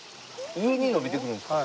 上に伸びていくんですか？